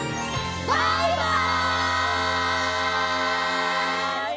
バイバイ！